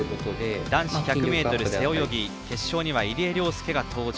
男子１００ｍ背泳ぎ決勝には入江陵介が登場。